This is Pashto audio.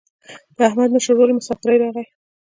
د احمد مشر ورور له مسافرۍ راغی.